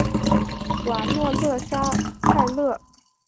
瓦诺勒沙泰勒。